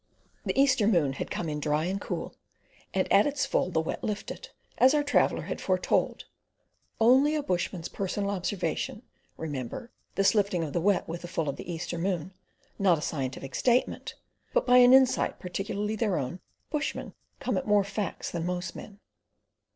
The Easter moon had come in dry and cool, and at its full the Wet lifted, as our traveller had foretold. Only a bushman's personal observation, remember, this lifting of the Wet with the full of the Easter moon, not a scientific statement; but by an insight peculiarly their own, bushmen come at more facts than most men.